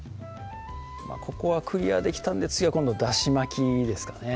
ここはクリアできたんで次は今度だし巻きですかね